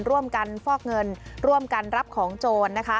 ร่วมกันฟอกเงินร่วมกันรับของโจร